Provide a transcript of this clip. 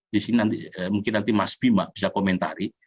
disini mungkin nanti mas bima bisa komentari